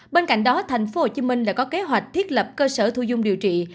bên cạnh đó tp hcm lại có kế hoạch thiết lập cơ sở thu dung điều trị